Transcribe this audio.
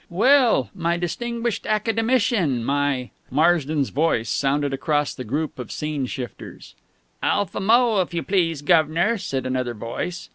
"Well, my distinguished Academician, my " Marsden's voice sounded across the group of scene shifters... "'Alf a mo, if you please, guv'nor," said another voice...